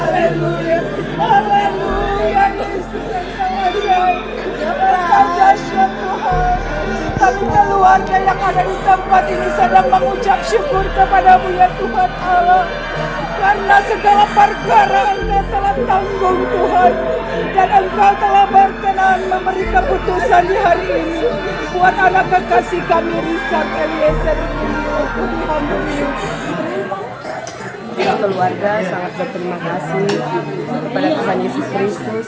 menjatuhkan pidana terhadap terdakwa rizal t lezar budiang lumiu